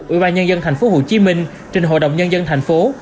ủy ban nhân dân thành phố hồ chí minh trên hội đồng nhân dân thành phố